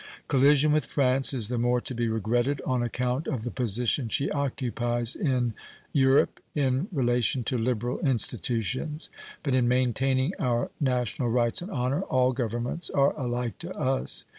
Collision with France is the more to be regretted on account of the position she occupies in Europe in relation to liberal institutions, but in maintaining our national rights and honor all governments are alike to us.